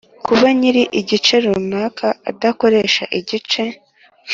Kuba nyir igice runaka adakoresha igice